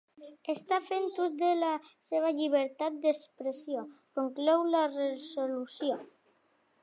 Està fent ús de la seva llibertat d’expressió, conclou la resolució.